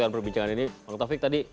itu merupakan dua syarat tadi